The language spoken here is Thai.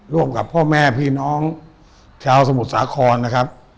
ร่วมกับพ่อแม่พี่น้องชาวสมุทรสาครนะครับ